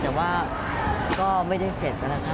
แต่ว่าก็ไม่ได้เสร็จนะคะ